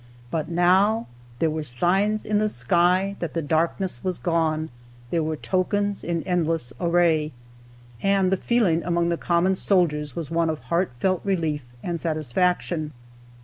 But now, "there were signs in the sky that the darkness was gone; there were tokens in endless array"; and the feeling among the common soldiers was one of heart felt relief and satisfaction.